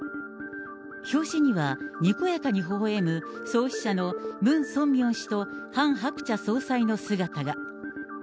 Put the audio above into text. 表紙には、にこやかにほほ笑む創始者のムン・ソンミョン氏とハン・ハクチャ総裁の姿が。